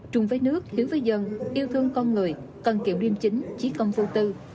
trung với nước hiếu với dân yêu thương con người cần kiểu điêm chính trí công vô tư